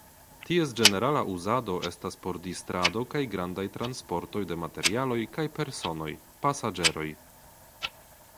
Ties ĝenerala uzado estas por distrado kaj grandaj transportoj de materialoj kaj personoj (pasaĝeroj).